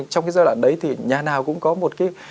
trong cái giai đoạn đấy thì nhà nào cũng có một cái